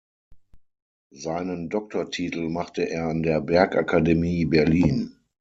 Seinen Doktortitel machte er an der Bergakademie Berlin.